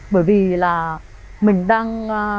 bởi vì là mình đang